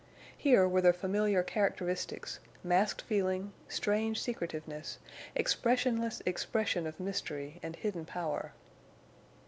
Here were the familiar characteristics—masked feeling—strange secretiveness—expressionless expression of mystery and hidden power.